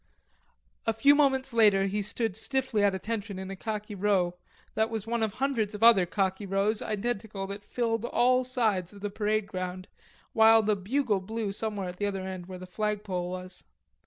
A few moments later he stood stiffly at attention in a khaki row that was one of hundreds of other khaki rows, identical, that filled all sides of the parade ground, while the bugle blew somewhere at the other end where the flag pole was.